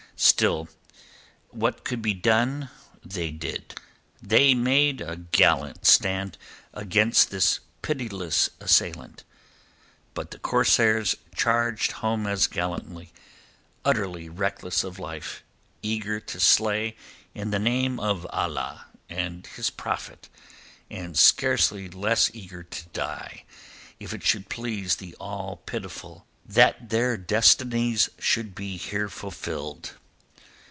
Still, what could be done they did. They made a gallant stand against this pitiless assailant. But the corsairs charged home as gallantly, utterly reckless of life, eager to slay in the name of Allah and His Prophet and scarcely less eager to die if it should please the All pitiful that their destinies should be here fulfilled.